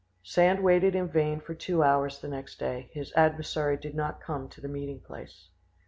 Sand waited in vain for two hours next day: his adversary did not come to the meeting place.